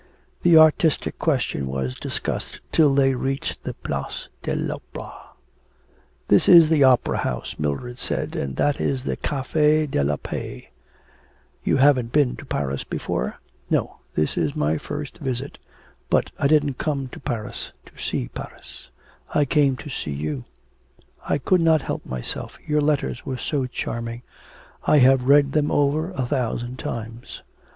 The artistic question was discussed till they reached the Place de l'Opera. 'That is the opera house,' Mildred said, 'and that is the Cafe de la Paix.... You haven't been to Paris before?' 'No; this is my first visit. But I didn't come to Paris to see Paris. I came to see you. I could not help myself. Your letters were so charming. I have read them over a thousand times.